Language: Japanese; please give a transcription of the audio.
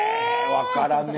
分からんね